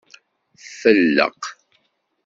Felleq.